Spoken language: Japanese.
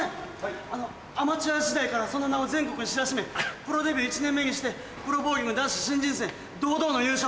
アマチュア時代からその名を全国に知らしめプロデビュー１年目にしてプロボウリング男子新人戦堂々の優勝。